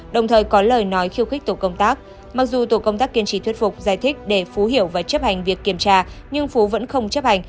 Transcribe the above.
đồng thời có lời nói khiêu khích tổ công tác mặc dù tổ công tác kiên trì thuyết phục giải thích để phú hiểu và chấp hành việc kiểm tra nhưng phú vẫn không chấp hành